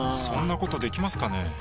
そんなことできますかね？